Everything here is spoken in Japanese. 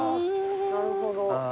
なるほど。